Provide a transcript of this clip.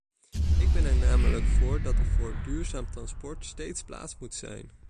Ik ben er namelijk voor dat er voor duurzaam transport steeds plaats moet zijn.